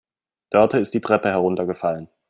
Dörte ist die Treppe heruntergefallen.